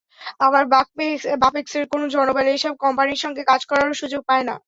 আবার বাপেক্সের কোনো জনবল এসব কোম্পানির সঙ্গে কাজ করারও সুযোগ পায় না।